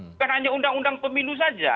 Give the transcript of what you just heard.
bukan hanya undang undang pemilu saja